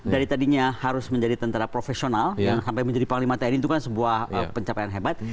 dari tadinya harus menjadi tentara profesional yang sampai menjadi panglima tni itu kan sebuah pencapaian hebat